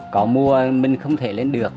có mùa mình không thể lên được